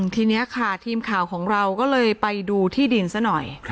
ทีนี้ค่ะทีมข่าวของเราก็เลยไปดูที่ดินซะหน่อย